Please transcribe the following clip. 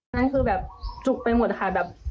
นั่นคือแบบจุกไปหมดค่ะแบบ